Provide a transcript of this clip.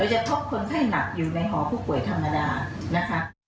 จะพบคนไข้หนักอยู่ในหอผู้ป่วยธรรมดานะคะ